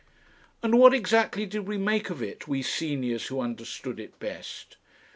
And what exactly did we make of it, we seniors who understood it best?